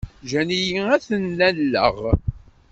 Ǧǧan-iyi ad ten-alleɣ.